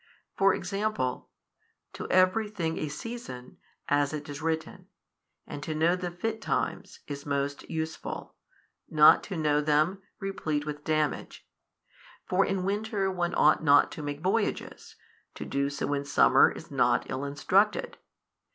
For example, To every thing a season, as it is written, and to know the fit times, is most useful, not to know them, replete with damage. For in winter one ought not to make voyages, to do so in summer is not ill instructed.